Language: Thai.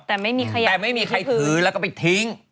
แต่ไม่มีใครถือแล้วก็ไปทิ้ง